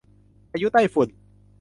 พายุใต้ฝุ่น